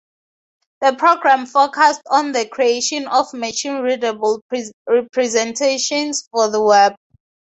The program focused on the creation of machine-readable representations for the Web.